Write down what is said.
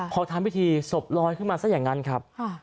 พอทำพิธีศพลอยขึ้นมาซะอย่างนั้นครับ